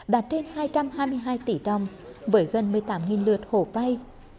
đạt trên hai trăm hai mươi hai tỷ đồng với gần một mươi tám lượt hộ vay